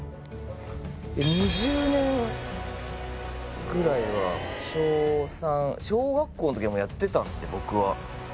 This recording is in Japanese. ２０年ぐらいは小３小学校の時はもうやってたんで僕は得意でしたし